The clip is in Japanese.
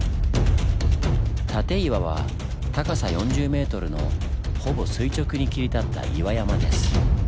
舘岩は高さ４０ｍのほぼ垂直に切り立った岩山です。